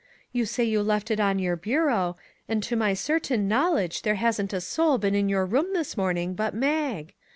" You say you left it on your bureau, and to my certain knowledge there hasn't a soul been in your room this morning but Mag.